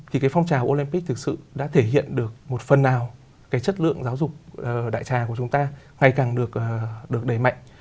thì cái phong trào olympic thực sự đã thể hiện được một phần nào cái chất lượng giáo dục đại trà của chúng ta ngày càng được đẩy mạnh